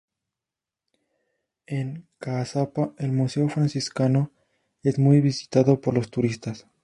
En Caazapá el Museo Franciscano es muy visitado por los turistas.